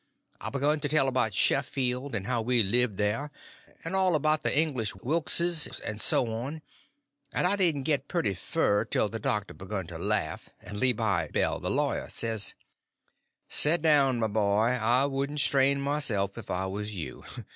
I begun to tell about Sheffield, and how we lived there, and all about the English Wilkses, and so on; but I didn't get pretty fur till the doctor begun to laugh; and Levi Bell, the lawyer, says: "Set down, my boy; I wouldn't strain myself if I was you.